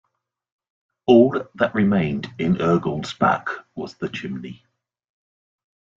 All that remained in Ergoldsbach was the chimney.